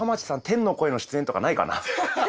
天の声の出演とかないかな？